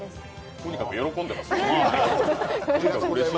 とにかく喜んでいます。